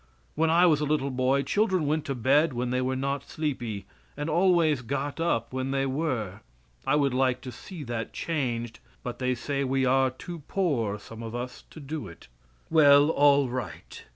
When I was a little boy children went to bed when they were not sleepy, and always got up when they were. I would like to see that changed, but they say we are too poor, some of us, to do it. Well, all right.